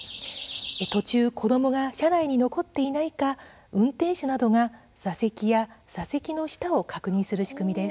途中、子どもが車内に残っていないか運転手などが座席や座席の下を確認する仕組みです。